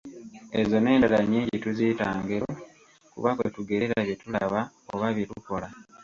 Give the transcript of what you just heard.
Ezo n'endala nnyingi tuziyita ngero, kuba kwe tugerera bye tulaba oba bye tukola.